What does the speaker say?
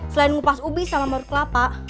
selain ngupas ubi sama murut kelapa